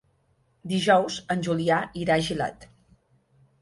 Dijous en Julià irà a Gilet.